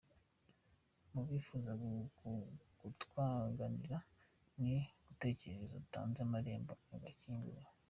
Ku bifuza ko twaganira ku gtekerezo ntanze amarembo arakinguye.